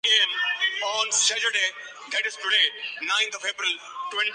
میں ریڈیو پر خبر سن رہا تھا